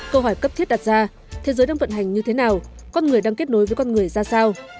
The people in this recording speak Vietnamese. câu hỏi cấp thiết đặt ra thế giới đang vận hành như thế nào con người đang kết nối với con người ra sao